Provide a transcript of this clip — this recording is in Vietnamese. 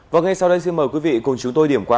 và ngay sau đây xin mời quý vị cùng chúng tôi điểm qua